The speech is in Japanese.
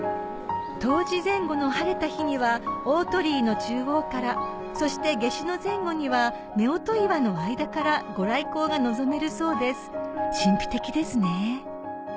冬至前後の晴れた日には大鳥居の中央からそして夏至の前後には夫婦岩の間からご来光が望めるそうです神秘的ですね